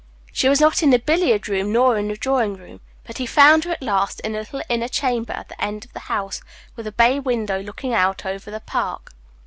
She was not in the billiard room nor the drawing room, but he found her at last in a little inner chamber at the end of the house, with a bay window looking out over the park.